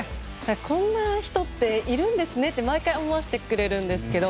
こんな人っているんですねって毎回思わせてくれるんですけど。